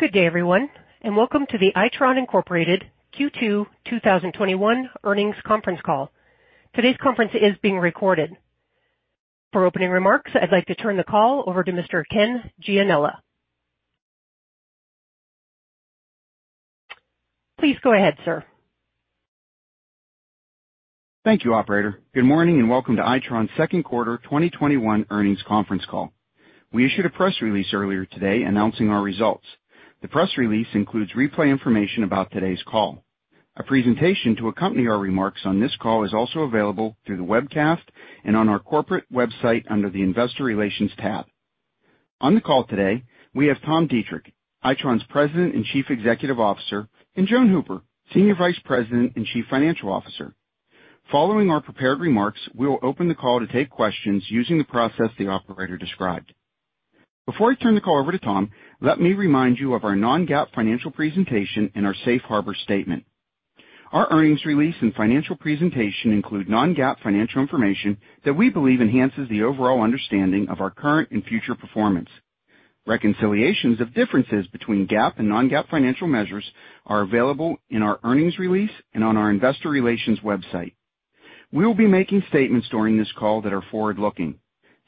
Good day, everyone, and welcome to the Itron, Incorporated Q2 2021 Earnings Conference Call. Today's conference is being recorded. For opening remarks, I'd like to turn the call over to Mr. Ken Gianella. Please go ahead, sir. Thank you, operator. Good morning and welcome to Itron's second quarter 2021 earnings conference call. We issued a press release earlier today announcing our results. The press release includes replay information about today's call. A presentation to accompany our remarks on this call is also available through the webcast and on our corporate website under the investor relations tab. On the call today, we have Tom Deitrich, Itron's President and Chief Executive Officer, and Joan Hooper, Senior Vice President and Chief Financial Officer. Following our prepared remarks, we will open the call to take questions using the process the operator described. Before I turn the call over to Tom, let me remind you of our non-GAAP financial presentation and our Safe Harbor statement. Reconciliations of differences between GAAP and non-GAAP financial measures are available in our earnings release and on our investor relations website. We will be making statements during this call that are forward-looking.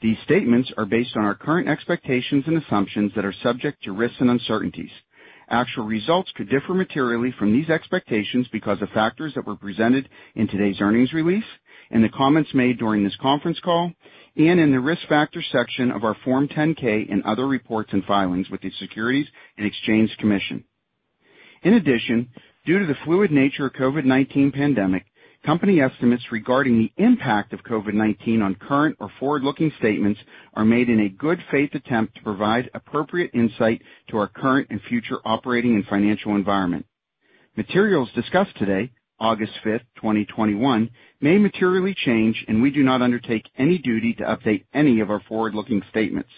These statements are based on our current expectations and assumptions that are subject to risks and uncertainties. Actual results could differ materially from these expectations because of factors that were presented in today's earnings release, in the comments made during this conference call, and in the risk factor section of our Form 10-K and other reports and filings with the Securities and Exchange Commission. In addition, due to the fluid nature of COVID-19 pandemic, company estimates regarding the impact of COVID-19 on current or forward-looking statements are made in a good faith attempt to provide appropriate insight to our current and future operating and financial environment. Materials discussed today, August 5th, 2021, may materially change, and we do not undertake any duty to update any of our forward-looking statements.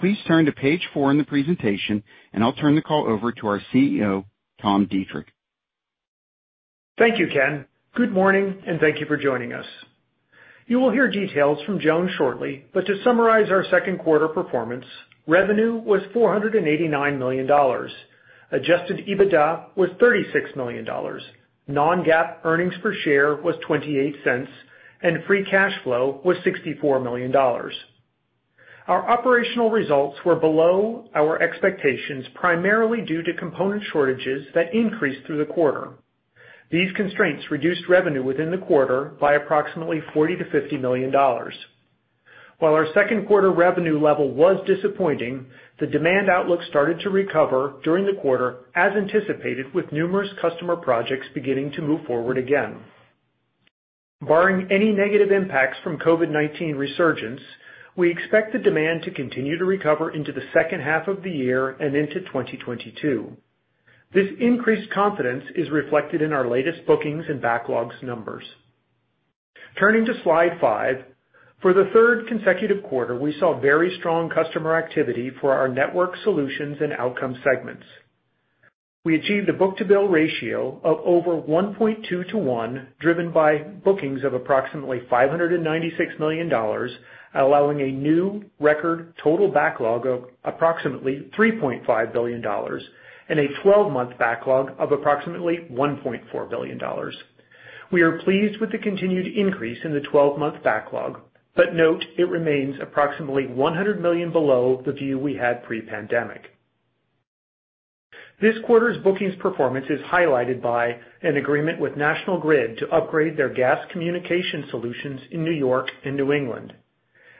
Please turn to page four in the presentation, and I'll turn the call over to our CEO, Tom Deitrich. Thank you, Ken. Good morning, and thank you for joining us. You will hear details from Joan shortly. To summarize our second quarter performance, revenue was $489 million. Adjusted EBITDA was $36 million. Non-GAAP earnings per share was $0.28. Free cash flow was $64 million. Our operational results were below our expectations, primarily due to component shortages that increased through the quarter. These constraints reduced revenue within the quarter by approximately $40 million-$50 million. While our second quarter revenue level was disappointing, the demand outlook started to recover during the quarter as anticipated, with numerous customer projects beginning to move forward again. Barring any negative impacts from COVID-19 resurgence, we expect the demand to continue to recover into the second half of the year and into 2022. This increased confidence is reflected in our latest bookings and backlogs numbers. Turning to slide five. For the third consecutive quarter, we saw very strong customer activity for our Networked Solutions and Outcomes segments. We achieved a book-to-bill ratio of over 1.2:1, driven by bookings of approximately $596 million, allowing a new record total backlog of approximately $3.5 billion and a 12-month backlog of approximately $1.4 billion. We are pleased with the continued increase in the 12-month backlog, but note it remains approximately $100 million below the view we had pre-pandemic. This quarter's bookings performance is highlighted by an agreement with National Grid to upgrade their gas communication solutions in New York and New England,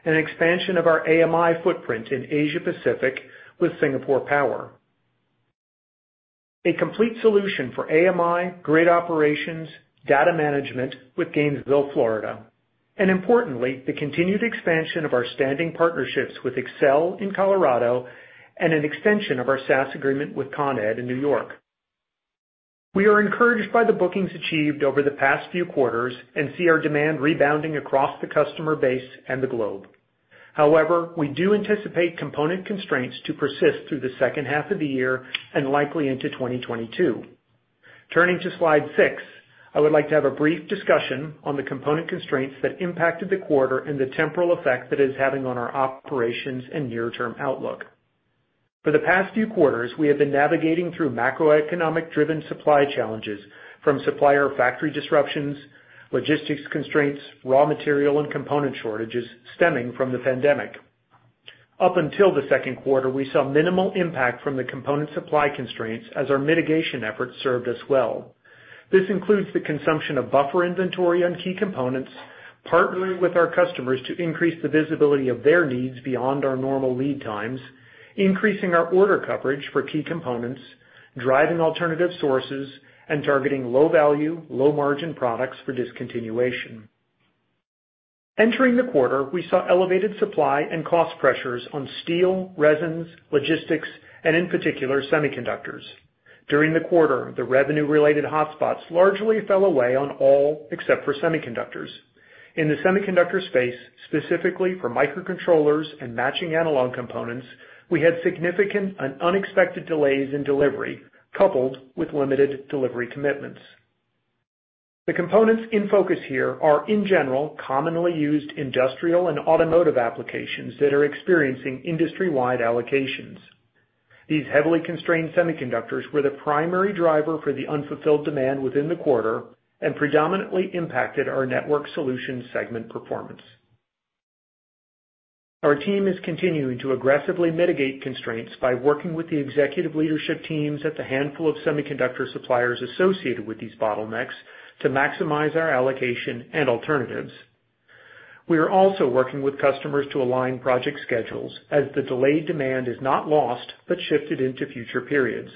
an expansion of our AMI footprint in Asia-Pacific with Singapore Power, a complete solution for AMI, grid operations, data management with Gainesville, Florida, and importantly, the continued expansion of our standing partnerships with Xcel in Colorado and an extension of our SaaS agreement with Con Ed in New York. We are encouraged by the bookings achieved over the past few quarters and see our demand rebounding across the customer base and the globe. We do anticipate component constraints to persist through the second half of the year and likely into 2022. Turning to slide six, I would like to have a brief discussion on the component constraints that impacted the quarter and the temporal effect that is having on our operations and near-term outlook. For the past few quarters, we have been navigating through macroeconomic-driven supply challenges from supplier factory disruptions, logistics constraints, raw material, and component shortages stemming from the pandemic. Up until the second quarter, we saw minimal impact from the component supply constraints as our mitigation efforts served us well. This includes the consumption of buffer inventory on key components, partnering with our customers to increase the visibility of their needs beyond our normal lead times, increasing our order coverage for key components, driving alternative sources, and targeting low-value, low-margin products for discontinuation. Entering the quarter, we saw elevated supply and cost pressures on steel, resins, logistics, and in particular, semiconductors. During the quarter, the revenue-related hotspots largely fell away on all except for semiconductors. In the semiconductor space, specifically for microcontrollers and matching analog components, we had significant and unexpected delays in delivery, coupled with limited delivery commitments. The components in focus here are, in general, commonly used industrial and automotive applications that are experiencing industry-wide allocations. These heavily constrained semiconductors were the primary driver for the unfulfilled demand within the quarter, and predominantly impacted our Networked Solutions segment performance. Our team is continuing to aggressively mitigate constraints by working with the executive leadership teams at the handful of semiconductor suppliers associated with these bottlenecks to maximize our allocation and alternatives. We are also working with customers to align project schedules as the delayed demand is not lost, but shifted into future periods.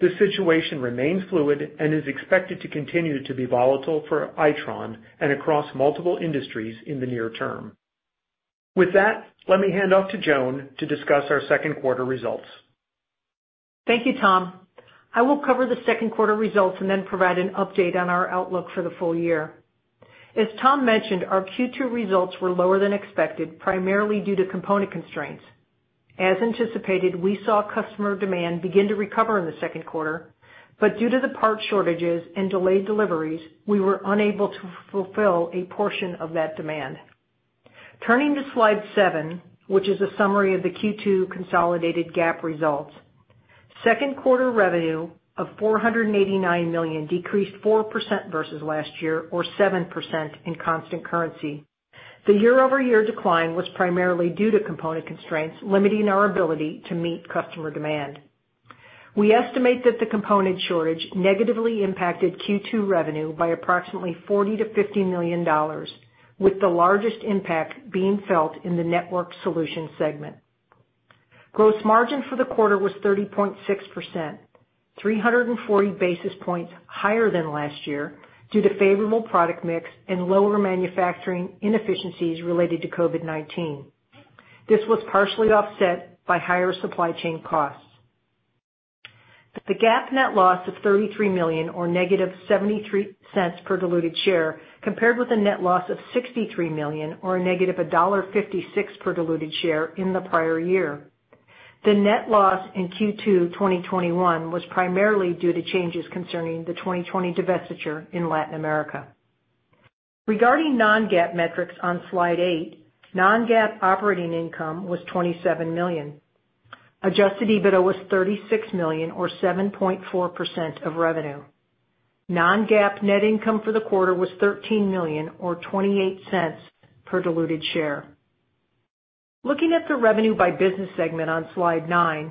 This situation remains fluid and is expected to continue to be volatile for Itron and across multiple industries in the near term. With that, let me hand off to Joan to discuss our second quarter results. Thank you, Tom. I will cover the second quarter results and then provide an update on our outlook for the full year. As Tom mentioned, our Q2 results were lower than expected, primarily due to component constraints. As anticipated, we saw customer demand begin to recover in the second quarter, but due to the part shortages and delayed deliveries, we were unable to fulfill a portion of that demand. Turning to slide seven, which is a summary of the Q2 consolidated GAAP results. Second quarter revenue of $489 million decreased 4% versus last year or 7% in constant currency. The year-over-year decline was primarily due to component constraints limiting our ability to meet customer demand. We estimate that the component shortage negatively impacted Q2 revenue by approximately $40 million-$50 million, with the largest impact being felt in the Networked Solutions segment. Gross margin for the quarter was 30.6%, 340 basis points higher than last year due to favorable product mix and lower manufacturing inefficiencies related to COVID-19. This was partially offset by higher supply chain costs. The GAAP net loss of $33 million, or negative $0.73 per diluted share, compared with a net loss of $63 million, or a negative $1.56 per diluted share in the prior year. The net loss in Q2 2021 was primarily due to changes concerning the 2020 divestiture in Latin America. Regarding non-GAAP metrics on slide eight, non-GAAP operating income was $27 million. Adjusted EBITDA was $36 million or 7.4% of revenue. Non-GAAP net income for the quarter was $13 million or $0.28 per diluted share. Looking at the revenue by business segment on Slide 9,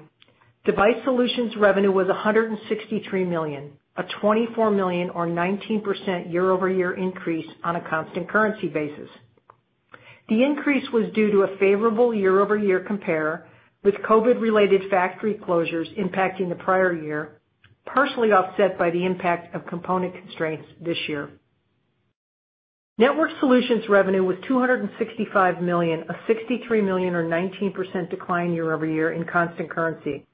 Device Solutions revenue was $163 million, a $24 million or 19% year-over-year increase on a constant currency basis. The increase was due to a favorable year-over-year compare with COVID-related factory closures impacting the prior year, partially offset by the impact of component constraints this year. Networked Solutions revenue was $265 million, a $63 million or 19% decline year-over-year in constant currency.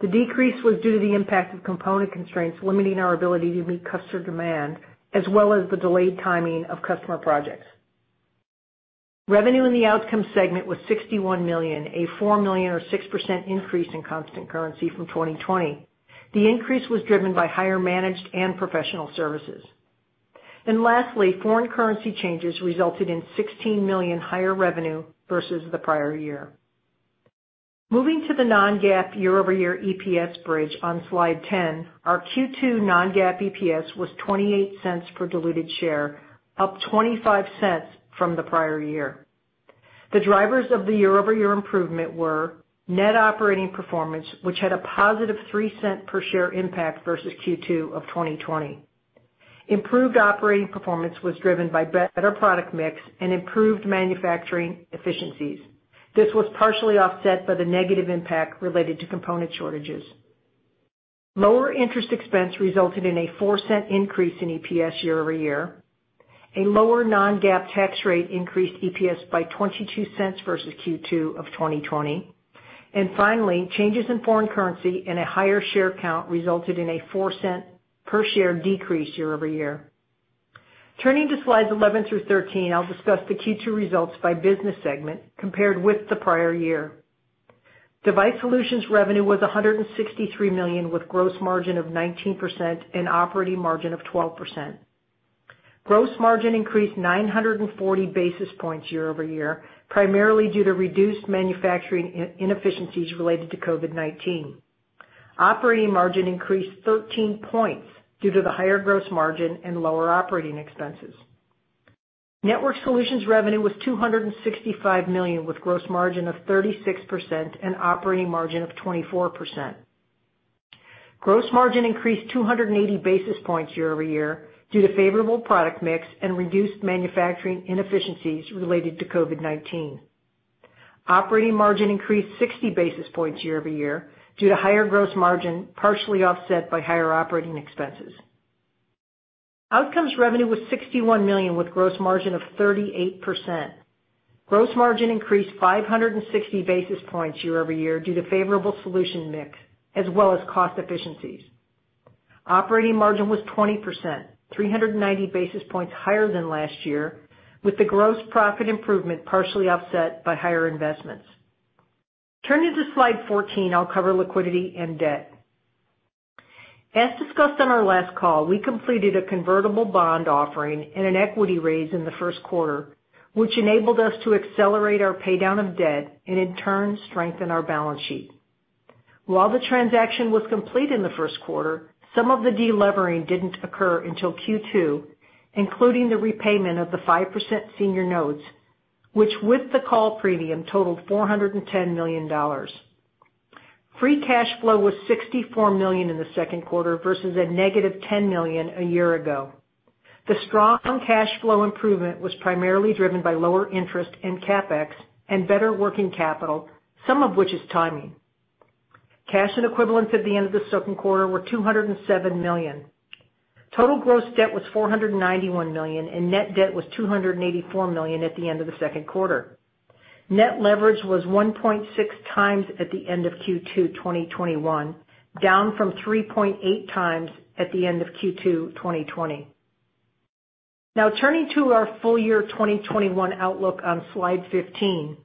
The decrease was due to the impact of component constraints limiting our ability to meet customer demand, as well as the delayed timing of customer projects. Revenue in the Device Solutions segment was $61 million, a $4 million or 6% increase in constant currency from 2020. Lastly, foreign currency changes resulted in $16 million higher revenue versus the prior year. Moving to the non-GAAP year-over-year EPS bridge on slide 10, our Q2 non-GAAP EPS was $0.28 per diluted share, up $0.25 from the prior year. The drivers of the year-over-year improvement were net operating performance, which had a positive $0.03 per share impact versus Q2 2020. Improved operating performance was driven by better product mix and improved manufacturing efficiencies. This was partially offset by the negative impact related to component shortages. Lower interest expense resulted in a $0.04 increase in EPS year-over-year. A lower non-GAAP tax rate increased EPS by $0.22 versus Q2 2020. Finally, changes in foreign currency and a higher share count resulted in a $0.04 per share decrease year-over-year. Turning to slides 11-13, I'll discuss the Q2 results by business segment compared with the prior year. Device Solutions revenue was $163 million, with gross margin of 19% and operating margin of 12%. Gross margin increased 940 basis points year-over-year, primarily due to reduced manufacturing inefficiencies related to COVID-19. Operating margin increased 13 points due to the higher gross margin and lower operating expenses. Networked Solutions revenue was $265 million, with gross margin of 36% and operating margin of 24%. Gross margin increased 280 basis points year-over-year due to favorable product mix and reduced manufacturing inefficiencies related to COVID-19. Operating margin increased 60 basis points year-over-year due to higher gross margin, partially offset by higher operating expenses. Outcomes revenue was $61 million with gross margin of 38%. Gross margin increased 560 basis points year-over-year due to favorable solution mix as well as cost efficiencies. Operating margin was 20%, 390 basis points higher than last year, with the gross profit improvement partially offset by higher investments. Turning to slide 14, I'll cover liquidity and debt. As discussed on our last call, we completed a convertible bond offering and an equity raise in the first quarter, which enabled us to accelerate our pay-down of debt and, in turn, strengthen our balance sheet. While the transaction was complete in the first quarter, some of the de-levering didn't occur until Q2, including the repayment of the 5% Senior Notes, which with the call premium totaled $410 million. Free cash flow was $64 million in the second quarter versus a negative $10 million a year ago. The strong cash flow improvement was primarily driven by lower interest and CapEx and better working capital, some of which is timing. Cash and equivalents at the end of the second quarter were $207 million. Total gross debt was $491 million, and net debt was $284 million at the end of the second quarter. Net leverage was 1.6x at the end of Q2 2021, down from 3.8x at the end of Q2 2020. Turning to our full year 2021 outlook on Slide 15.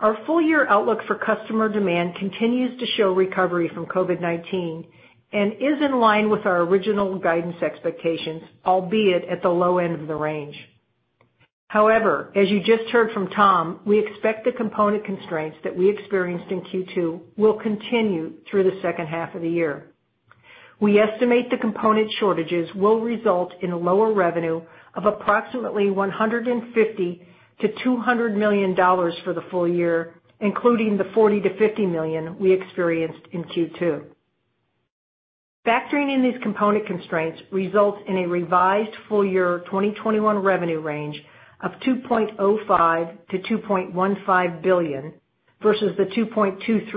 Our full-year outlook for customer demand continues to show recovery from COVID-19 and is in line with our original guidance expectations, albeit at the low end of the range. As you just heard from Tom, we expect the component constraints that we experienced in Q2 will continue through the second half of the year. We estimate the component shortages will result in lower revenue of approximately $150 million-$200 million for the full year, including the $40 million-$50 million we experienced in Q2. Factoring in these component constraints results in a revised full year 2021 revenue range of $2.05 billion-$2.15 billion versus the $2.23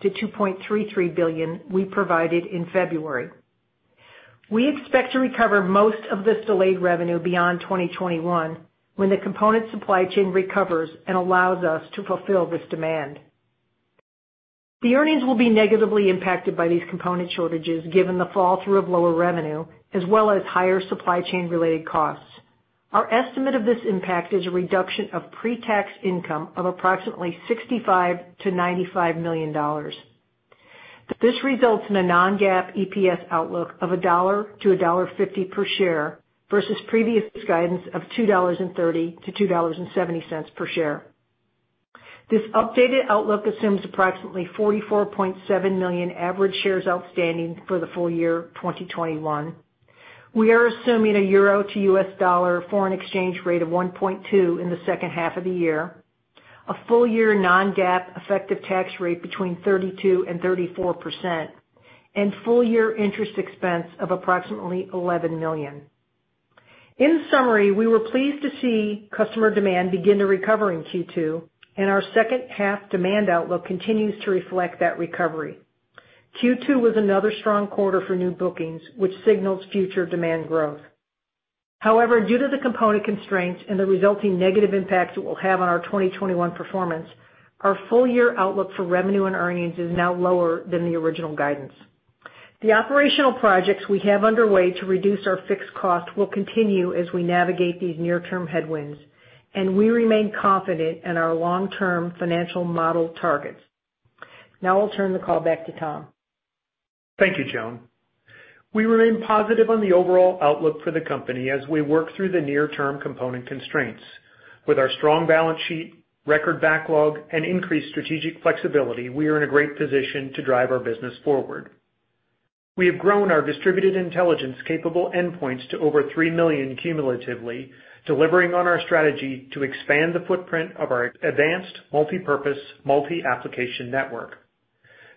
billion-$2.33 billion we provided in February. We expect to recover most of this delayed revenue beyond 2021, when the component supply chain recovers and allows us to fulfill this demand. The earnings will be negatively impacted by these component shortages given the fall through of lower revenue as well as higher supply chain related costs. Our estimate of this impact is a reduction of pre-tax income of approximately $65 million-$95 million. This results in a non-GAAP EPS outlook of $1-$1.50 per share versus previous guidance of $2.30-$2.70 per share. This updated outlook assumes approximately 44.7 million average shares outstanding for the full year 2021. We are assuming a euro to US dollar foreign exchange rate of 1.2 in the second half of the year, a full year non-GAAP effective tax rate between 32% and 34%, and full year interest expense of approximately $11 million. In summary, we were pleased to see customer demand begin to recover in Q2, and our second half demand outlook continues to reflect that recovery. Q2 was another strong quarter for new bookings, which signals future demand growth. However, due to the component constraints and the resulting negative impacts it will have on our 2021 performance, our full year outlook for revenue and earnings is now lower than the original guidance. The operational projects we have underway to reduce our fixed cost will continue as we navigate these near-term headwinds, and we remain confident in our long-term financial model targets. Now I'll turn the call back to Tom. Thank you, Joan. We remain positive on the overall outlook for the company as we work through the near-term component constraints. With our strong balance sheet, record backlog, and increased strategic flexibility, we are in a great position to drive our business forward. We have grown our distributed intelligence capable endpoints to over 3 million cumulatively, delivering on our strategy to expand the footprint of our advanced multipurpose multi-application network.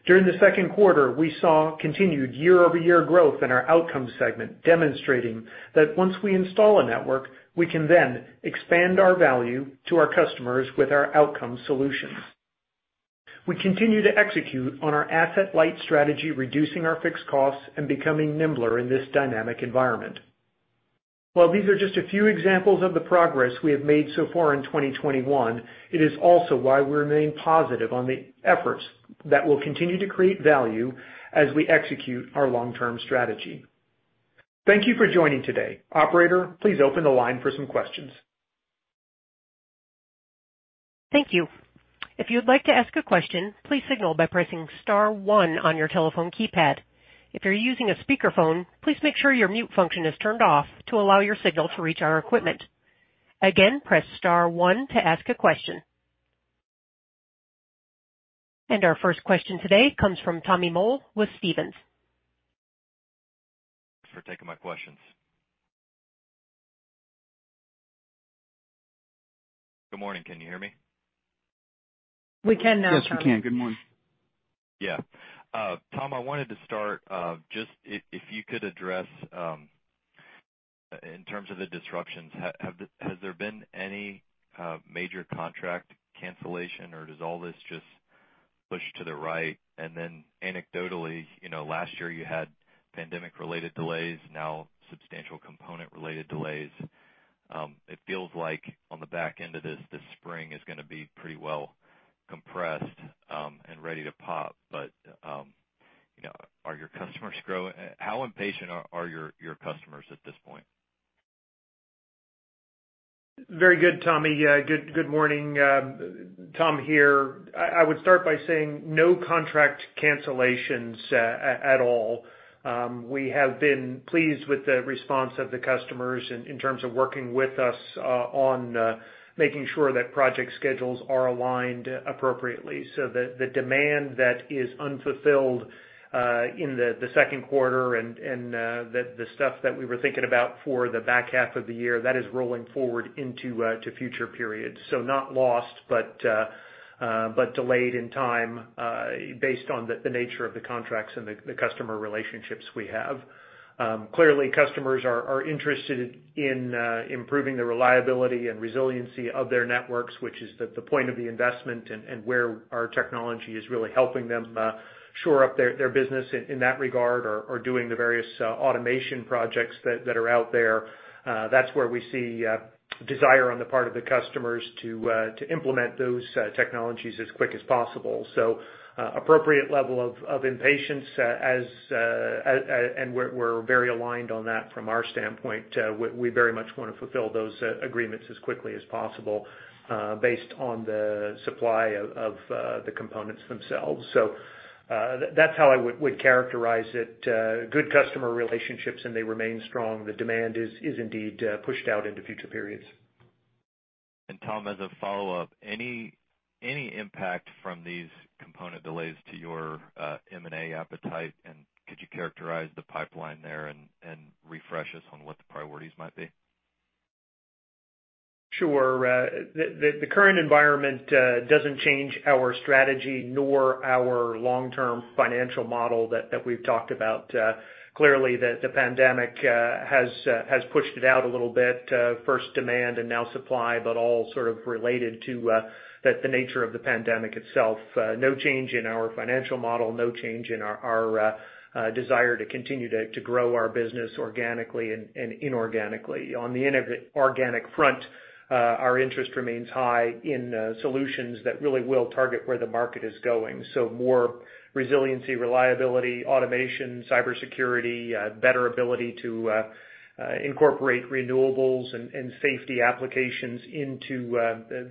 During the second quarter, we saw continued year-over-year growth in our Outcomes segment, demonstrating that once we install a network, we can then expand our value to our customers with our outcome solutions. We continue to execute on our asset light strategy, reducing our fixed costs and becoming nimbler in this dynamic environment. While these are just a few examples of the progress we have made so far in 2021, it is also why we remain positive on the efforts that will continue to create value as we execute our long-term strategy. Thank you for joining today. Operator, please open the line for some questions. Thank you. If you would like to ask a question, please signal by pressing star one on your telephone keypad. If you're using a speakerphone, please make sure your mute function is turned off to allow your signal to reach our equipment. Again, press star one to ask a question. Our first question today comes from Tommy Moll with Stephens. Thanks for taking my questions. Good morning. Can you hear me? We can now, Tommy. Yes, we can. Good morning. Yeah. Tom, I wanted to start, just if you could address, in terms of the disruptions, has there been any major contract cancellation or does all this just push to the right? Anecdotally, last year you had pandemic related delays, now substantial component related delays. It feels like on the back end of this spring is going to be pretty well compressed and ready to pop. How impatient are your customers at this point? Very good, Tommy. Good morning. Tom here. I would start by saying no contract cancellations at all. We have been pleased with the response of the customers in terms of working with us on making sure that project schedules are aligned appropriately, so that the demand that is unfulfilled in the second quarter and the stuff that we were thinking about for the back half of the year, that is rolling forward into future periods. Not lost, but delayed in time based on the nature of the contracts and the customer relationships we have. Clearly, customers are interested in improving the reliability and resiliency of their networks, which is the point of the investment and where our technology is really helping them shore up their business in that regard or doing the various automation projects that are out there. That's where we see desire on the part of the customers to implement those technologies as quick as possible. Appropriate level of impatience, and we're very aligned on that from our standpoint. We very much want to fulfill those agreements as quickly as possible based on the supply of the components themselves. That's how I would characterize it. Good customer relationships, and they remain strong. The demand is indeed pushed out into future periods. Tom, as a follow-up, any impact from these component delays to your M&A appetite, and could you characterize the pipeline there and refresh us on what the priorities might be? Sure. The current environment doesn't change our strategy nor our long-term financial model that we've talked about. Clearly, the pandemic has pushed it out a little bit. First demand and now supply, but all sort of related to the nature of the pandemic itself. No change in our financial model. No change in our desire to continue to grow our business organically and inorganically. On the inorganic front, our interest remains high in solutions that really will target where the market is going. More resiliency, reliability, automation, cybersecurity, better ability to incorporate renewables and safety applications into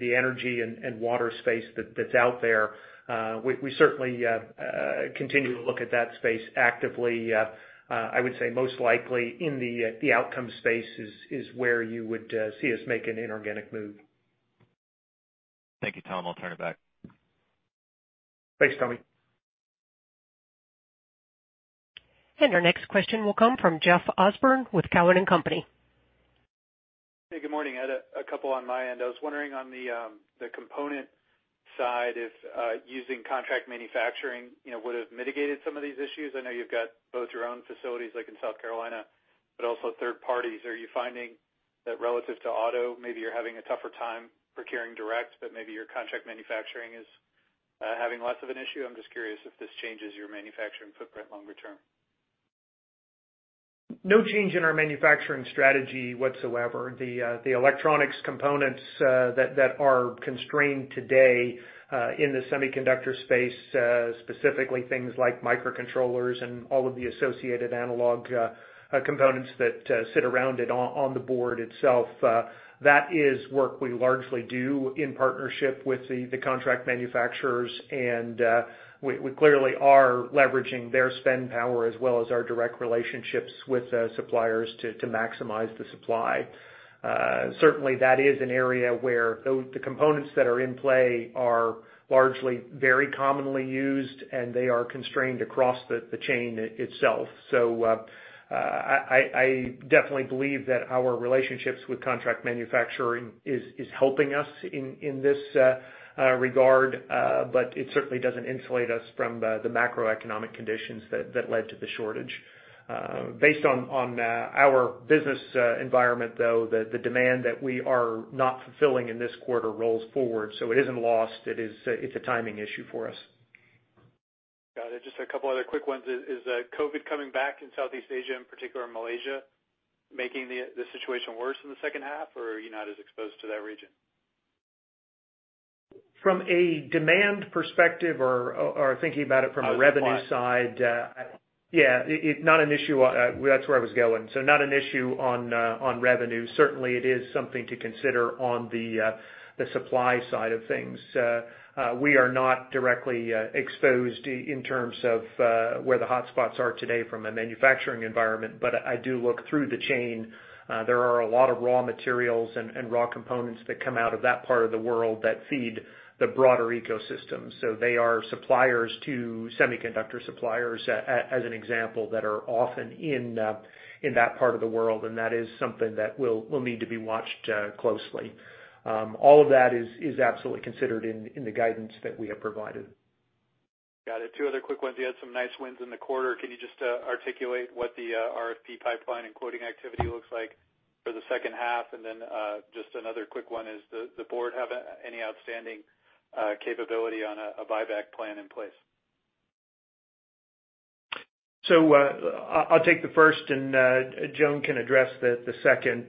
the energy and water space that's out there. We certainly continue to look at that space actively. I would say most likely in the outcome space is where you would see us make an inorganic move. Thank you, Tom. I'll turn it back. Thanks, Tommy. Our next question will come from Jeff Osborne with Cowen and Company. Hey, good morning. I had a couple on my end. I was wondering on the component side if using contract manufacturing would've mitigated some of these issues. I know you've got both your own facilities like in South Carolina, but also third parties. Are you finding that relative to auto, maybe you're having a tougher time procuring direct, but maybe your contract manufacturing is having less of an issue? I'm just curious if this changes your manufacturing footprint longer term. No change in our manufacturing strategy whatsoever. The electronics components that are constrained today in the semiconductor space, specifically things like microcontrollers and all of the associated analog components that sit around it on the board itself, that is work we largely do in partnership with the contract manufacturers, and we clearly are leveraging their spend power as well as our direct relationships with suppliers to maximize the supply. Certainly, that is an area where the components that are in play are largely very commonly used, and they are constrained across the chain itself. I definitely believe that our relationships with contract manufacturing is helping us in this regard. It certainly doesn't insulate us from the macroeconomic conditions that led to the shortage. Based on our business environment, though, the demand that we are not fulfilling in this quarter rolls forward. It isn't lost. It's a timing issue for us. Got it. Just a couple other quick ones. Is COVID coming back in Southeast Asia, in particular Malaysia, making the situation worse in the second half, or are you not as exposed to that region? From a demand perspective or thinking about it from a revenue side. Supply. Yeah, not an issue. That's where I was going. Not an issue on revenue. Certainly, it is something to consider on the supply side of things. We are not directly exposed in terms of where the hotspots are today from a manufacturing environment. I do look through the chain. There are a lot of raw materials and raw components that come out of that part of the world that feed the broader ecosystem. They are suppliers to semiconductor suppliers, as an example, that are often in that part of the world, and that is something that will need to be watched closely. All of that is absolutely considered in the guidance that we have provided. Got it. Two other quick ones. You had some nice wins in the quarter. Can you just articulate what the RFP pipeline and quoting activity looks like for the second half? Just another quick one is, does the board have any outstanding capability on a buyback plan in place? I'll take the first, and Joan can address the second.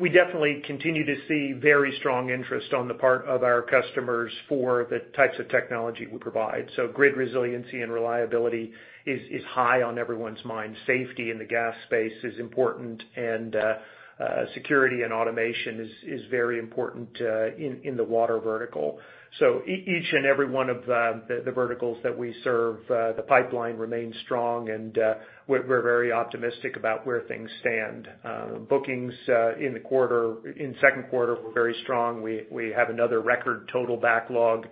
We definitely continue to see very strong interest on the part of our customers for the types of technology we provide. Grid resiliency and reliability is high on everyone's mind. Safety in the gas space is important, and security and automation is very important in the water vertical. Each and every one of the verticals that we serve, the pipeline remains strong, and we're very optimistic about where things stand. Bookings in the second quarter were very strong. We have another record total backlog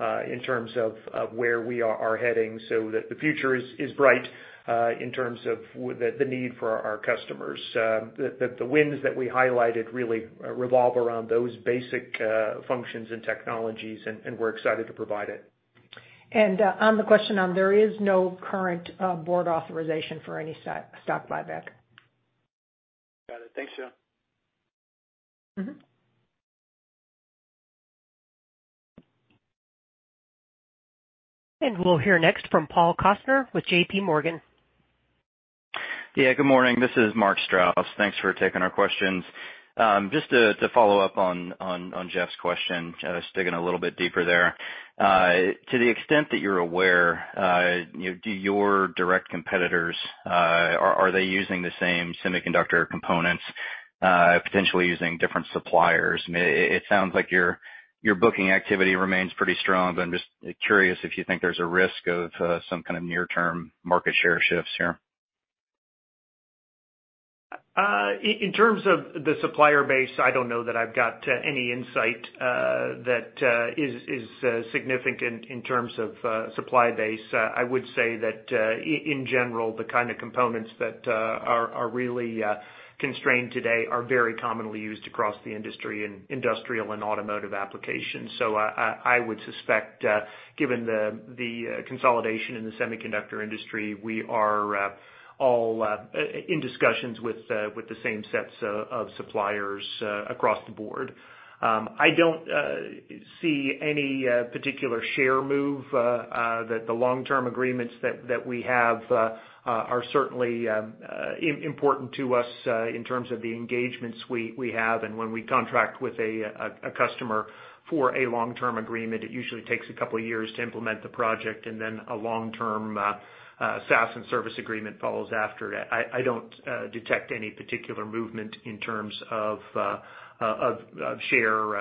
in terms of where we are heading so that the future is bright in terms of the need for our customers. The wins that we highlighted really revolve around those basic functions and technologies, and we're excited to provide it. On the question on there is no current board authorization for any stock buyback. Got it. Thanks, Joan. We'll hear next from Paul Coster with JPMorgan. Good morning. This is Mark Strouse. Thanks for taking our questions. Just to follow up on Jeff's question, just digging a little bit deeper there. To the extent that you're aware, do your direct competitors, are they using the same semiconductor components, potentially using different suppliers? It sounds like your booking activity remains pretty strong, but I'm just curious if you think there's a risk of some kind of near-term market share shifts here. In terms of the supplier base, I don't know that I've got any insight that is significant in terms of supply base. I would say that, in general, the kind of components that are really constrained today are very commonly used across the industry in industrial and automotive applications. I would suspect, given the consolidation in the semiconductor industry, we are all in discussions with the same sets of suppliers across the board. I don't see any particular share move. The long-term agreements that we have are certainly important to us in terms of the engagements we have. When we contract with a customer for a long-term agreement, it usually takes a couple of years to implement the project, and then a long-term SaaS and service agreement follows after that. I don't detect any particular movement in terms of share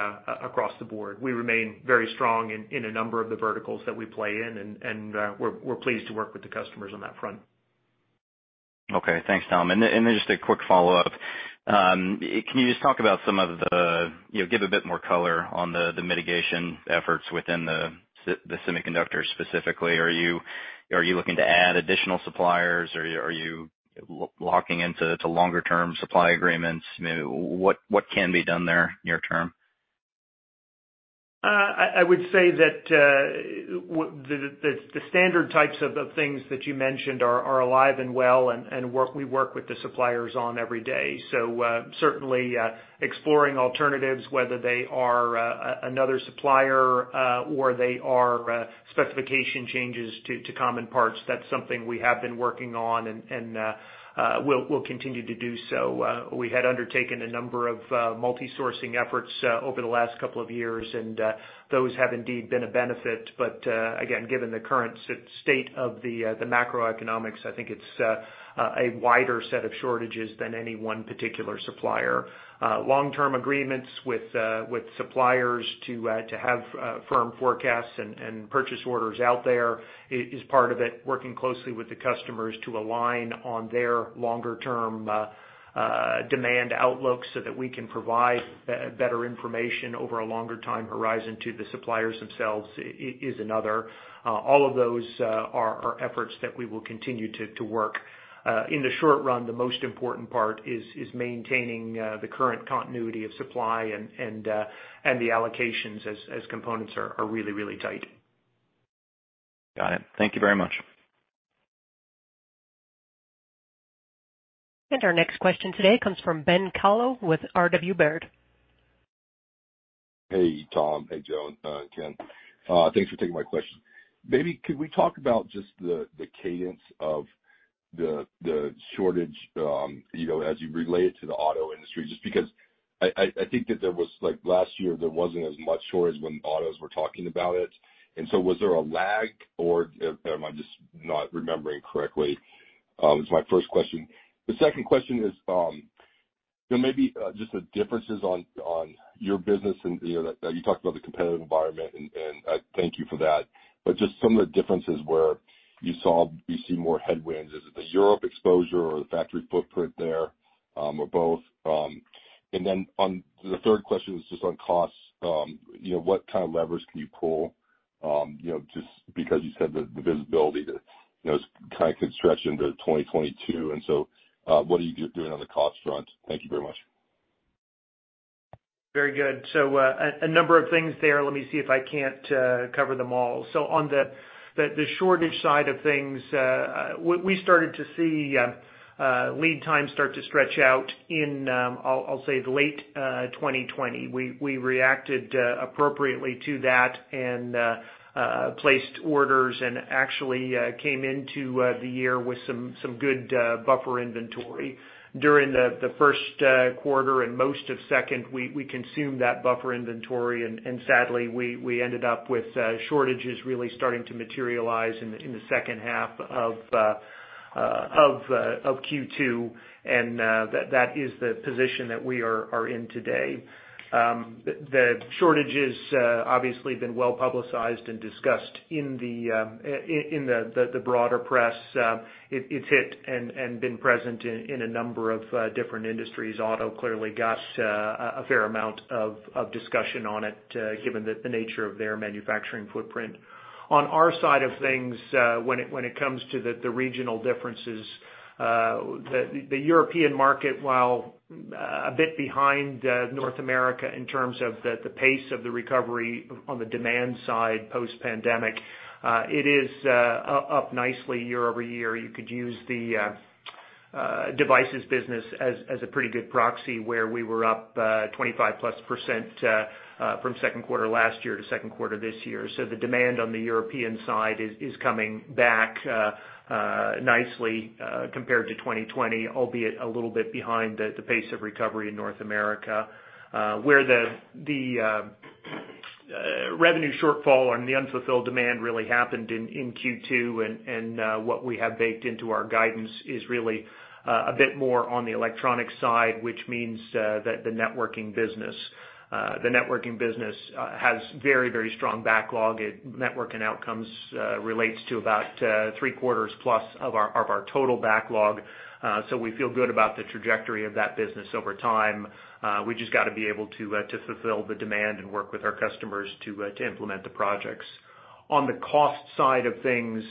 across the board. We remain very strong in a number of the verticals that we play in, and we're pleased to work with the customers on that front. Okay, thanks, Tom. Just a quick follow-up. Can you just give a bit more color on the mitigation efforts within the semiconductors specifically? Are you looking to add additional suppliers? Are you locking into longer-term supply agreements? What can be done there near-term? I would say that the standard types of things that you mentioned are alive and well, and we work with the suppliers on every day. Certainly exploring alternatives, whether they are another supplier, or they are specification changes to common parts, that's something we have been working on and we'll continue to do so. We had undertaken a number of multi-sourcing efforts over the last couple of years, and those have indeed been a benefit. Again, given the current state of the macroeconomics, I think it's a wider set of shortages than any one particular supplier. Long-term agreements with suppliers to have firm forecasts and purchase orders out there is part of it. Working closely with the customers to align on their longer-term demand outlook so that we can provide better information over a longer time horizon to the suppliers themselves is another. All of those are efforts that we will continue to work. In the short run, the most important part is maintaining the current continuity of supply and the allocations as components are really, really tight. Got it. Thank you very much. Our next question today comes from Ben Kallo with RW Baird. Hey, Tom. Hey, Joan, Ken. Thanks for taking my question. Maybe could we talk about just the cadence of the shortage as you relate it to the auto industry? Just because I think that there was like last year, there wasn't as much shortage when autos were talking about it. Was there a lag, or am I just not remembering correctly? It's my first question. The second question is maybe just the differences on your business and that you talked about the competitive environment, and thank you for that. Just some of the differences where you see more headwinds. Is it the Europe exposure or the factory footprint there or both? On the third question is just on costs. What kind of levers can you pull? Just because you said the visibility could stretch into 2022. What are you doing on the cost front? Thank you very much. Very good. A number of things there. Let me see if I can't cover them all. On the shortage side of things, we started to see lead times start to stretch out in, I'll say, late 2020. We reacted appropriately to that and placed orders and actually came into the year with some good buffer inventory. During the first quarter and most of second, we consumed that buffer inventory and sadly, we ended up with shortages really starting to materialize in the second half of Q2, and that is the position that we are in today. The shortage has obviously been well-publicized and discussed in the broader press. It's hit and been present in a number of different industries. Auto clearly got a fair amount of discussion on it, given the nature of their manufacturing footprint. On our side of things, when it comes to the regional differences, the European market, while a bit behind North America in terms of the pace of the recovery on the demand side post-pandemic, it is up nicely year-over-year. You could use the Devices business as a pretty good proxy, where we were up 25%+ from second quarter last year to second quarter this year. The demand on the European side is coming back nicely compared to 2020, albeit a little bit behind the pace of recovery in North America. Where the revenue shortfall and the unfulfilled demand really happened in Q2 and what we have baked into our guidance is really a bit more on the electronic side, which means that the Networking business has very strong backlog. Network and Outcomes relates to about 3/4+ of our total backlog. We feel good about the trajectory of that business over time. We just got to be able to fulfill the demand and work with our customers to implement the projects. On the cost side of things,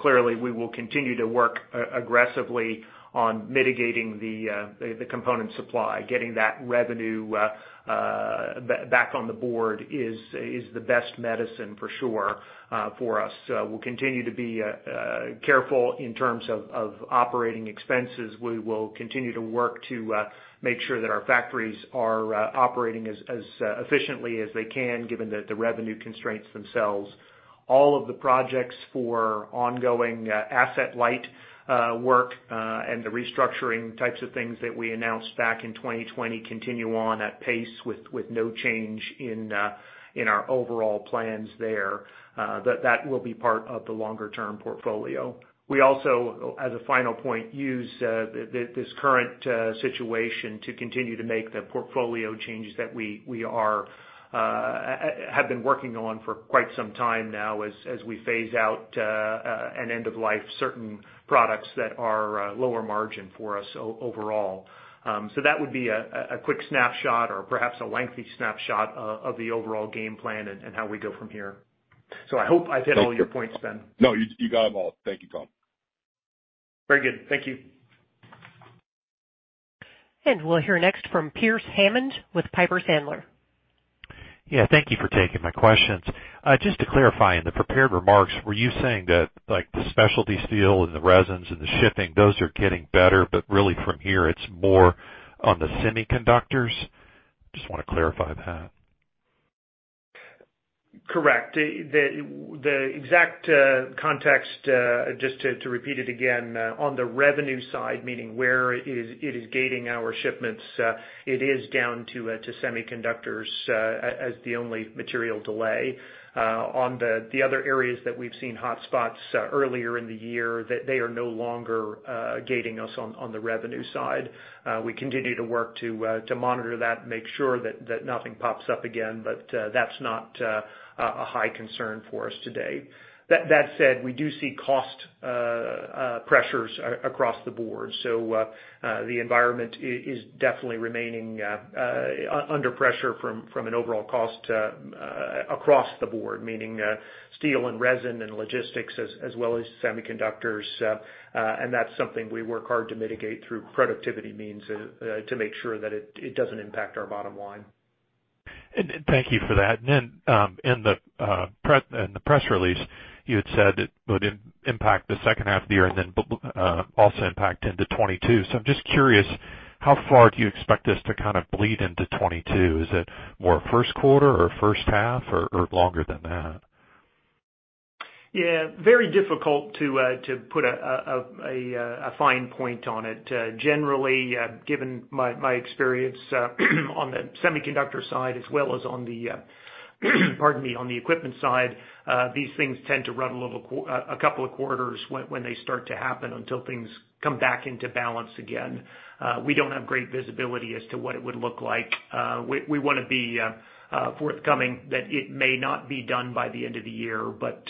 clearly, we will continue to work aggressively on mitigating the component supply. Getting that revenue back on the board is the best medicine for sure for us. We'll continue to be careful in terms of operating expenses. We will continue to work to make sure that our factories are operating as efficiently as they can, given the revenue constraints themselves. All of the projects for ongoing asset light work and the restructuring types of things that we announced back in 2020 continue on at pace with no change in our overall plans there. That will be part of the longer-term portfolio. We also, as a final point, use this current situation to continue to make the portfolio changes that we have been working on for quite some time now as we phase out and end of life certain products that are lower margin for us overall. That would be a quick snapshot or perhaps a lengthy snapshot of the overall game plan and how we go from here. I hope I've hit all your points, Ben. No, you got them all. Thank you, Tom. Very good. Thank you. We'll hear next from Pearce Hammond with Piper Sandler. Yeah. Thank you for taking my questions. Just to clarify, in the prepared remarks, were you saying that the specialty steel and the resins and the shipping, those are getting better, but really from here, it is more on the semiconductors? Just want to clarify that. Correct. The exact context, just to repeat it again, on the revenue side, meaning where it is gating our shipments, it is down to semiconductors as the only material delay. On the other areas that we've seen hotspots earlier in the year, they are no longer gating us on the revenue side. We continue to work to monitor that and make sure that nothing pops up again, but that's not a high concern for us today. That said, we do see cost pressures across the board. The environment is definitely remaining under pressure from an overall cost across the board, meaning steel and resin and logistics as well as semiconductors. That's something we work hard to mitigate through productivity means to make sure that it doesn't impact our bottom line. Thank you for that. In the press release, you had said it would impact the second half of the year and then also impact into 2022. I'm just curious, how far do you expect this to kind of bleed into 2022? Is it more first quarter or first half or longer than that? Yeah. Very difficult to put a fine point on it. Generally, given my experience on the semiconductor side as well as on the pardon me, on the equipment side, these things tend to run a couple of quarters when they start to happen until things come back into balance again. We don't have great visibility as to what it would look like. We want to be forthcoming that it may not be done by the end of the year, but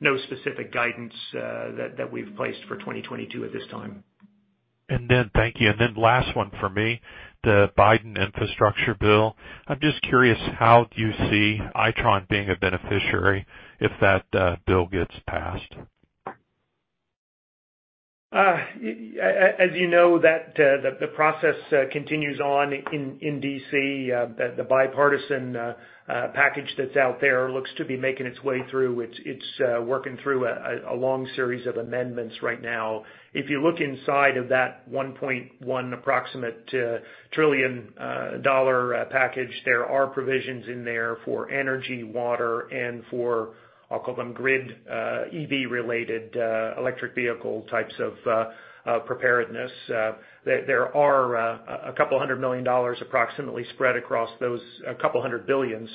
no specific guidance that we've placed for 2022 at this time. Thank you. Last one for me, the Biden infrastructure bill. I'm just curious, how do you see Itron being a beneficiary if that bill gets passed? As you know, the process continues on in D.C., the bipartisan package that's out there looks to be making its way through. It's working through a long series of amendments right now. If you look inside of that $1.1 approximate trillion dollar package, there are provisions in there for energy, water, and for, I'll call them grid, EV-related electric vehicle types of preparedness. There are a couple a hundred million dollars approximately spread across those, a couple hundred billion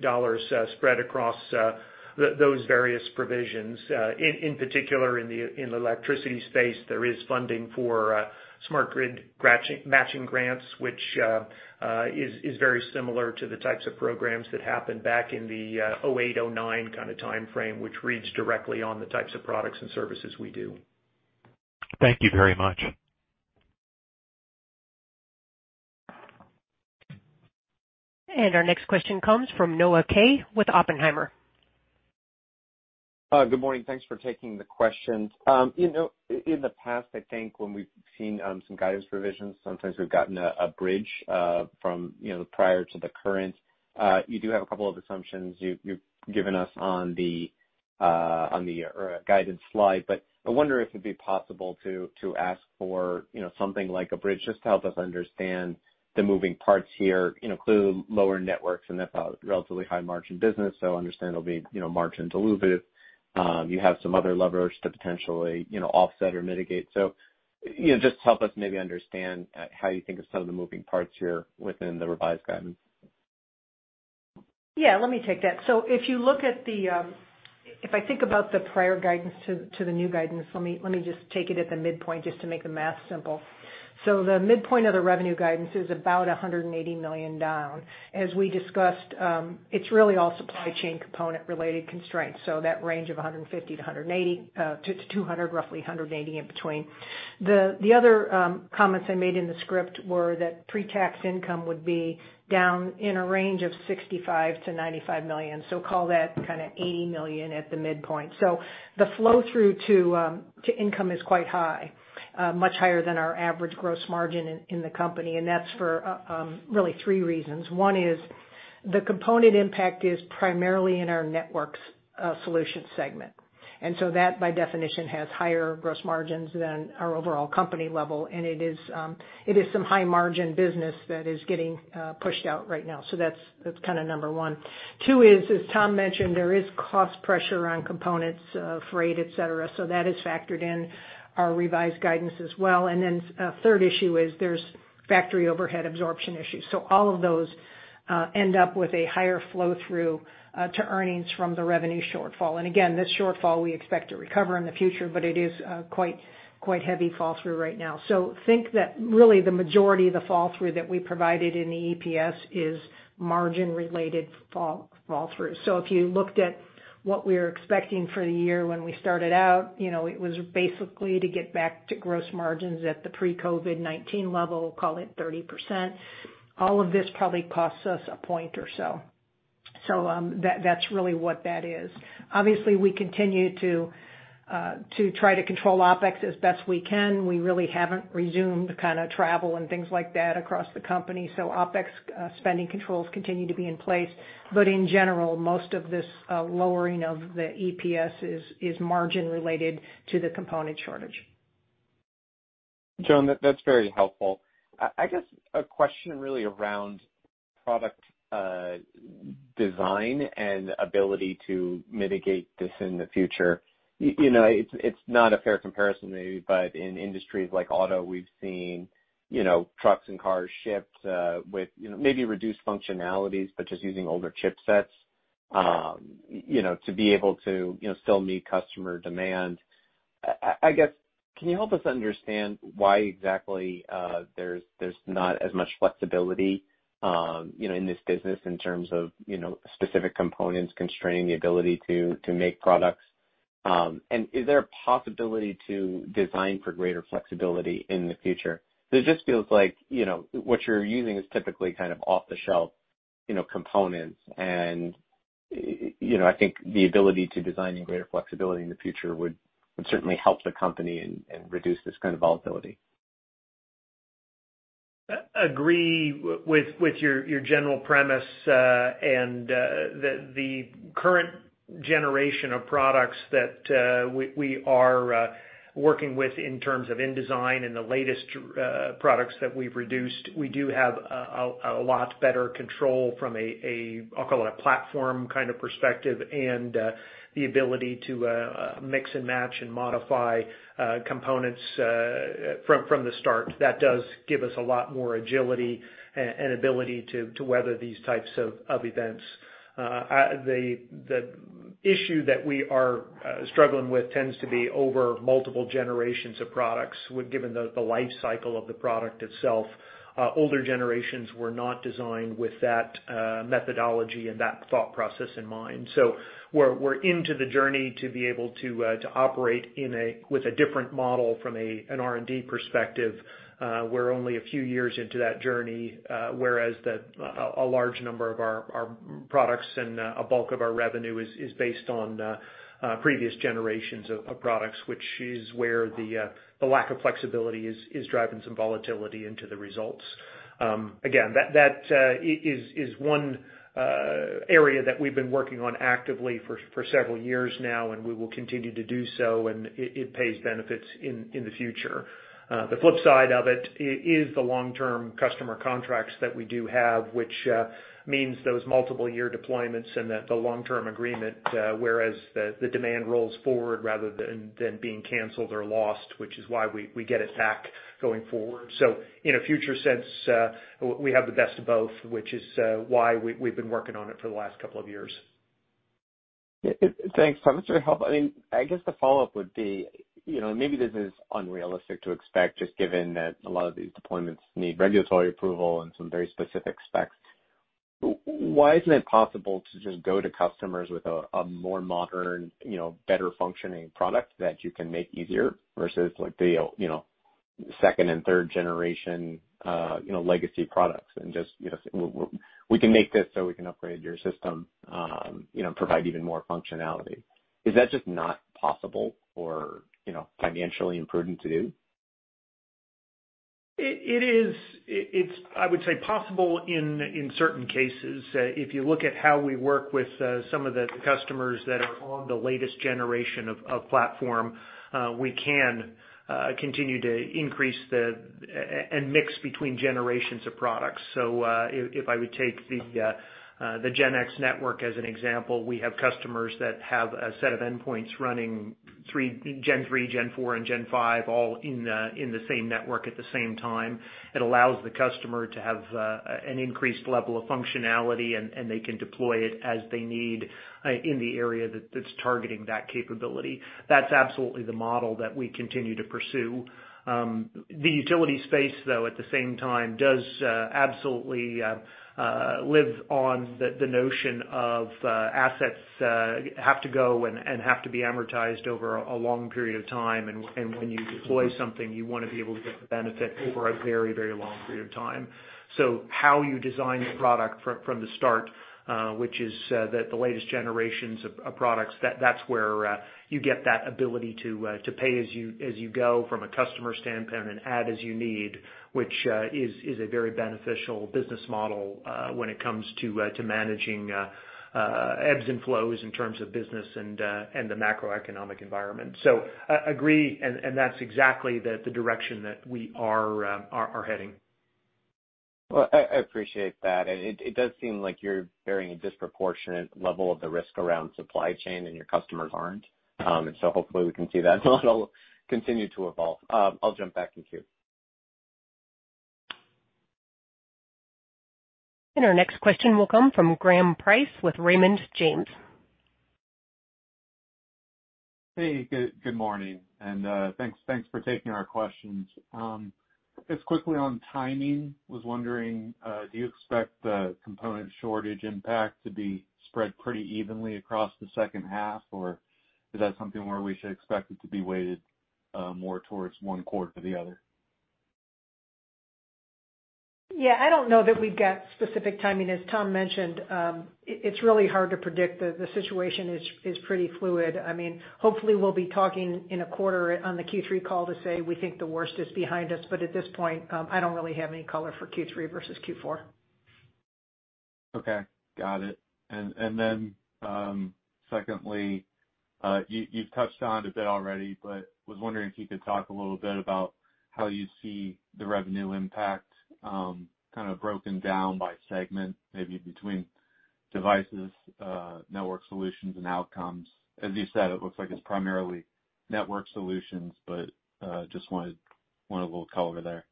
dollars, sorry, spread across those various provisions. In particular, in the electricity space, there is funding for Smart Grid Matching Grants, which is very similar to the types of programs that happened back in the 2008, 2009 kind of timeframe, which reads directly on the types of products and services we do. Thank you very much. Our next question comes from Noah Kaye with Oppenheimer. Good morning. Thanks for taking the questions. In the past, I think, when we've seen some guidance revisions, sometimes we've gotten a bridge from prior to the current. You do have a couple of assumptions you've given us on the guided slide, but I wonder if it'd be possible to ask for something like a bridge just to help us understand the moving parts here, including the lower networks and that relatively high margin business. I understand there'll be margins dilutive. You have some other levers to potentially offset or mitigate. Just help us maybe understand how you think of some of the moving parts here within the revised guidance. Yeah, let me take that. If I think about the prior guidance to the new guidance, let me just take it at the midpoint just to make the math simple. The midpoint of the revenue guidance is about $180 million down. As we discussed, it's really all supply chain component-related constraints. That range of $150 million-$200 million, roughly $180 million in between. The other comments I made in the script were that pre-tax income would be down in a range of $65 million-$95 million. Call that kind of $80 million at the midpoint. The flow-through to income is quite high. Much higher than our average gross margin in the company, and that's for really three reasons. One is the component impact is primarily in our Networked Solutions segment. That, by definition, has higher gross margins than our overall company level, and it is some high margin business that is getting pushed out right now. That's kind of number one. Two is, as Tom mentioned, there is cost pressure on components, freight, et cetera. That is factored in our revised guidance as well. A third issue is there's factory overhead absorption issues. All of those end up with a higher flow-through to earnings from the revenue shortfall. Again, this shortfall we expect to recover in the future, but it is quite heavy fall-through right now. Think that really the majority of the fall-through that we provided in the EPS is margin-related fall-through. If you looked at what we were expecting for the year when we started out, it was basically to get back to gross margins at the pre-COVID-19 level, call it 30%. All of this probably costs us a point or so. That's really what that is. Obviously, we continue to try to control OpEx as best we can. We really haven't resumed travel and things like that across the company. OpEx spending controls continue to be in place. In general, most of this lowering of the EPS is margin related to the component shortage. Joan, that's very helpful. I guess a question really around product design and ability to mitigate this in the future. It's not a fair comparison maybe, but in industries like auto, we've seen trucks and cars shipped with maybe reduced functionalities, but just using older chipsets to be able to still meet customer demand. I guess, can you help us understand why exactly there's not as much flexibility in this business in terms of specific components constraining the ability to make products? Is there a possibility to design for greater flexibility in the future? It just feels like what you're using is typically off the shelf components, and I think the ability to design in greater flexibility in the future would certainly help the company and reduce this kind of volatility. Agree with your general premise, the current generation of products that we are working with in terms of in design and the latest products that we've introduced. We do have a lot better control from a, I'll call it a platform kind of perspective, and the ability to mix and match and modify components from the start. That does give us a lot more agility and ability to weather these types of events. The issue that we are struggling with tends to be over multiple generations of products, given the life cycle of the product itself. Older generations were not designed with that methodology and that thought process in mind. We're into the journey to be able to operate with a different model from an R&D perspective. We're only a few years into that journey, whereas a large number of our products and a bulk of our revenue is based on previous generations of products, which is where the lack of flexibility is driving some volatility into the results. That is one area that we've been working on actively for several years now, and we will continue to do so, and it pays benefits in the future. The flip side of it is the long-term customer contracts that we do have, which means those multiple year deployments and the long-term agreement, whereas the demand rolls forward rather than being canceled or lost, which is why we get it back going forward. In a future sense, we have the best of both, which is why we've been working on it for the last couple of years. Thanks, Tom, that's very helpful. I guess the follow-up would be, maybe this is unrealistic to expect, just given that a lot of these deployments need regulatory approval and some very specific specs. Why isn't it possible to just go to customers with a more modern, better functioning product that you can make easier versus the second and third generation legacy products and just, we can make this so we can upgrade your system, provide even more functionality? Is that just not possible or financially imprudent to do? It is, I would say, possible in certain cases. If you look at how we work with some of the customers that are on the latest generation of platform, we can continue to increase and mix between generations of products. If I would take the Gen X network as an example, we have customers that have a set of endpoints running Gen3, Gen4, and Gen5 all in the same network at the same time. It allows the customer to have an increased level of functionality, and they can deploy it as they need in the area that's targeting that capability. That's absolutely the model that we continue to pursue. The utility space, though, at the same time, does absolutely live on the notion of assets have to go and have to be amortized over a long period of time, and when you deploy something, you want to be able to get the benefit over a very, very long period of time. How you design the product from the start, which is the latest generations of products, that's where you get that ability to pay as you go from a customer standpoint and add as you need, which is a very beneficial business model when it comes to managing ebbs and flows in terms of business and the macroeconomic environment. I agree, and that's exactly the direction that we are heading. Well, I appreciate that, and it does seem like you're bearing a disproportionate level of the risk around supply chain, and your customers aren't. Hopefully we can see that continue to evolve. I'll jump back in queue. Our next question will come from Graham Price with Raymond James. Good morning, thanks for taking our questions. Just quickly on timing, was wondering, do you expect the component shortage impact to be spread pretty evenly across the second half, or is that something where we should expect it to be weighted more towards one quarter to the other? Yeah, I don't know that we've got specific timing. As Tom mentioned, it's really hard to predict. The situation is pretty fluid. Hopefully we'll be talking in a quarter on the Q3 call to say we think the worst is behind us. At this point, I don't really have any color for Q3 versus Q4. Okay, got it. Secondly, you've touched on it a bit already, but was wondering if you could talk a little bit about how you see the revenue impact kind of broken down by segment, maybe between devices, Networked Solutions, and outcomes. You said, it looks like it's primarily Networked Solutions, but just wanted a little color there.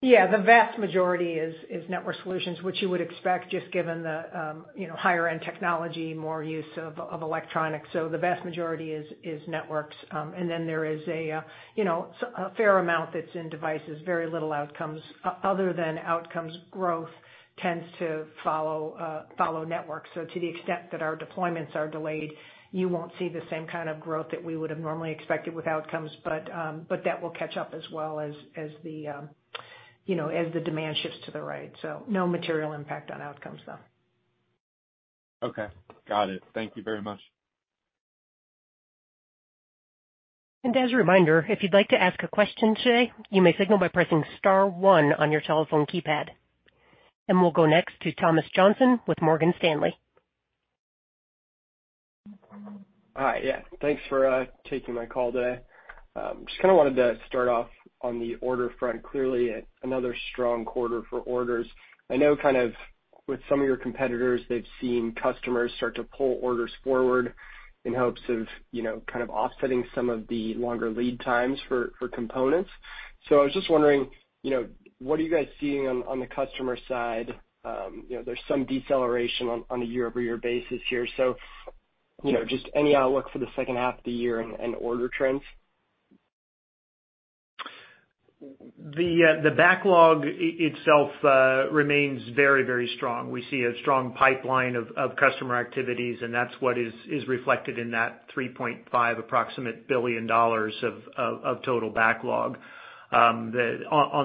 Yeah. The vast majority is Networked Solutions, which you would expect just given the higher end technology, more use of electronics. The vast majority is networks. Then there is a fair amount that's in devices, very little outcomes. Other than outcomes growth tends to follow networks. To the extent that our deployments are delayed, you won't see the same kind of growth that we would've normally expected with outcomes. That will catch up as well as the demand shifts to the right. No material impact on outcomes, though. Okay. Got it. Thank you very much. As a reminder, if you'd like to ask a question today, you may signal by pressing star one on your telephone keypad. We'll go next to Thomas Johnson with Morgan Stanley. Hi. Yeah. Thanks for taking my call today. Just kind of wanted to start off on the order front. Clearly another strong quarter for orders. I know kind of with some of your competitors, they've seen customers start to pull orders forward in hopes of kind of offsetting some of the longer lead times for components. I was just wondering, what are you guys seeing on the customer side? There's some deceleration on a year-over-year basis here. Just any outlook for the second half of the year and order trends. The backlog itself remains very, very strong. We see a strong pipeline of customer activities. That's what is reflected in that $3.5 approximate billion of total backlog. On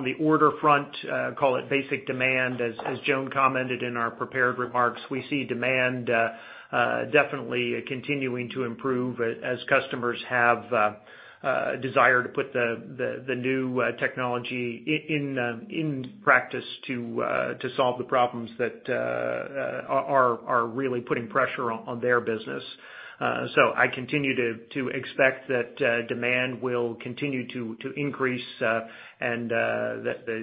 the order front, call it basic demand, as Joan commented in our prepared remarks, we see demand definitely continuing to improve as customers have a desire to put the new technology in practice to solve the problems that are really putting pressure on their business. I continue to expect that demand will continue to increase. That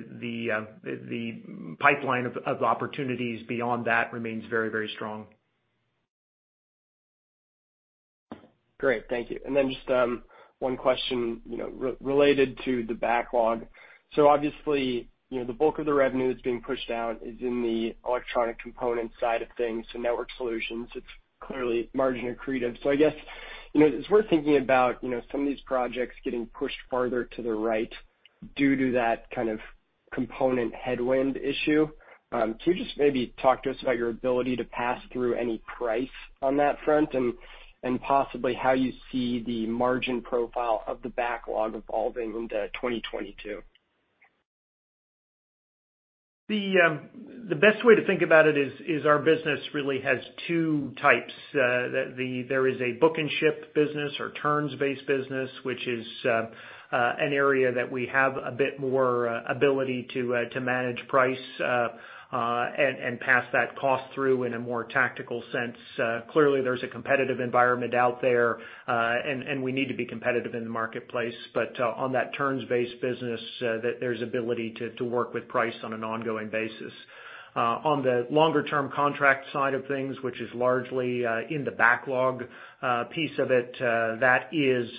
the pipeline of opportunities beyond that remains very, very strong. Great. Thank you. Just one question, related to the backlog. Obviously, the bulk of the revenue that's being pushed out is in the electronic component side of things. Networked Solutions, it's clearly margin accretive. I guess, it's worth thinking about some of these projects getting pushed farther to the right due to that kind of component headwind issue. Can you just maybe talk to us about your ability to pass through any price on that front, and possibly how you see the margin profile of the backlog evolving into 2022? The best way to think about it is our business really has two types. There is a book and ship business or turns-based business, which is an area that we have a bit more ability to manage price, and pass that cost through in a more tactical sense. Clearly, there's a competitive environment out there, and we need to be competitive in the marketplace, but on that turns-based business, there's ability to work with price on an ongoing basis. On the longer-term contract side of things, which is largely in the backlog piece of it, that is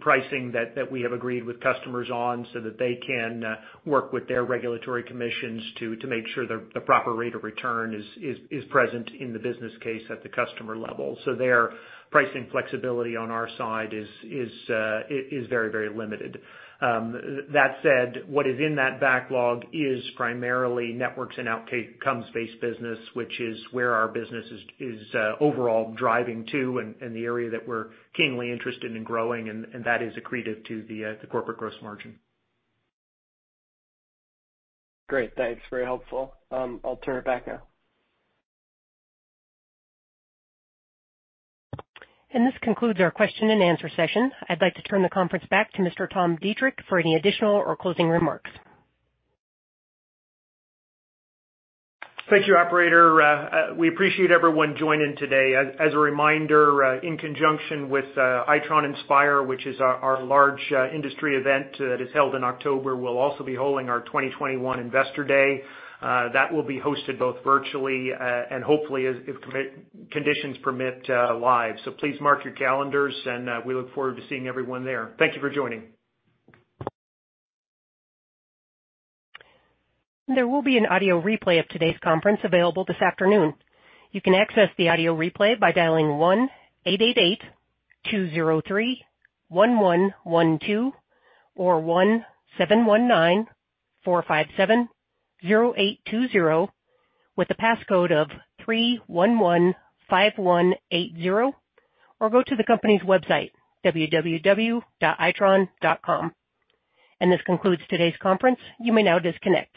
pricing that we have agreed with customers on so that they can work with their regulatory commissions to make sure the proper rate of return is present in the business case at the customer level. Their pricing flexibility on our side is very, very limited. That said, what is in that backlog is primarily networks and outcomes-based business, which is where our business is overall driving to and the area that we're keenly interested in growing and that is accretive to the corporate gross margin. Great. Thanks. Very helpful. I'll turn it back now. This concludes our question-and-answer session. I'd like to turn the conference back to Mr. Tom Deitrich for any additional or closing remarks. Thank you, operator. We appreciate everyone joining today. As a reminder, in conjunction with Itron Inspire, which is our large industry event that is held in October, we will also be holding our 2021 Investor Day. That will be hosted both virtually and hopefully if conditions permit, live. Please mark your calendars, and we look forward to seeing everyone there. Thank you for joining. There will be an audio replay of today's conference available this afternoon. You can access the audio replay by dialing 1-888-203-1112 or 1-719-457-0820 with the passcode of 3115180, or go to the company's website, www.itron.com. This concludes today's conference. You may now disconnect.